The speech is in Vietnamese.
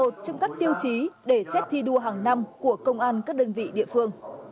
trong các tiêu chí để xét thi đua hàng năm của công an các đơn vị địa phương